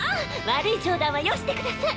悪い冗談はよしてください。